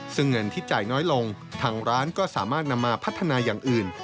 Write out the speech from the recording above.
ซึ่งเงินที่จ่ายน้อยลงทางร้านก็สามารถนำมาพัฒนาอย่างอื่น